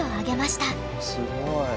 すごい。